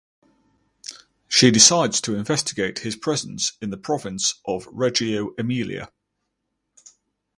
She decides to investigate his presence in the province of Reggio Emilia.